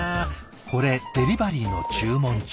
これデリバリーの注文中。